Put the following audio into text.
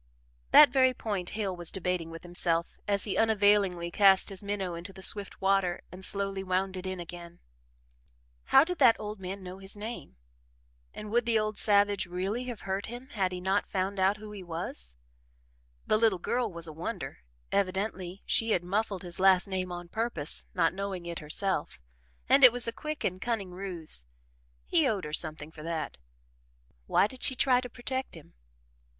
That very point Hale was debating with himself as he unavailingly cast his minnow into the swift water and slowly wound it in again. How did that old man know his name? And would the old savage really have hurt him had he not found out who he was? The little girl was a wonder: evidently she had muffled his last name on purpose not knowing it herself and it was a quick and cunning ruse. He owed her something for that why did she try to protect him?